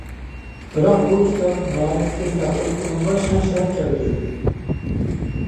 بىراق، بۇ كىتاب ناھايىتى تېز تارقىلىپ، ئۇنىڭغا شان-شەرەپ كەلتۈردى.